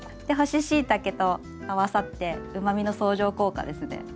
で干ししいたけと合わさってうまみの相乗効果ですね。